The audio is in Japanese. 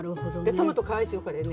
トマトかわいいでしょこれね。